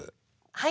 はい。